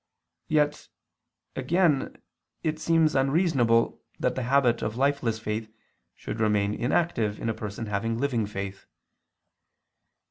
Yet again it seems unreasonable that the habit of lifeless faith should remain inactive in a person having living faith.